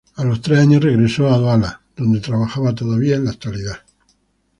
A los tres años regresó a Duala, donde trabaja todavía en la actualidad.